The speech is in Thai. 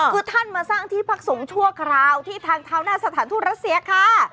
คือท่านมาสร้างที่พักสงฆ์ชั่วคราวที่ทางเท้าหน้าสถานทูตรัสเซียค่ะ